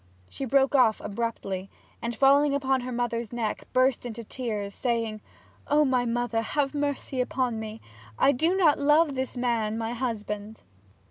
She broke off abruptly, and falling upon her mother's neck, burst into tears, saying, 'O my mother, have mercy upon me I do not love this man, my husband!'